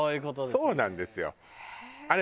そうなんですよ。